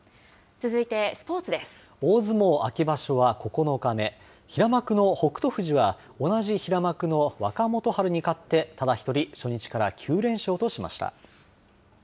大相撲秋場所は９日目平幕の北勝富士は同じ平幕の若元春に勝ってただ１人初日から９連勝としました。